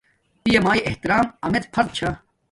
پیامایے احترام امڎ فرض چھا